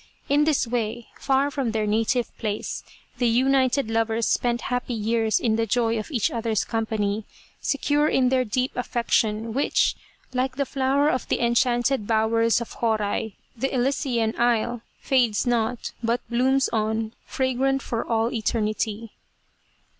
In this way, far from their native place, the united lovers spent happy years in the joy of each other's company, secure in their deep affection, which, like the flower of the enchanted bowers of Horai, the Elysian Isle, fades not, but blooms on fragrant for all eternity.